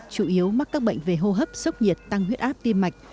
chủ yếu mắc các bệnh về hô hấp sốc nhiệt tăng huyết áp tim mạch